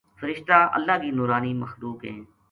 فرشتہ اللہ کی نورانی مخلوق ہیں۔